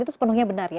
itu sepenuhnya benar ya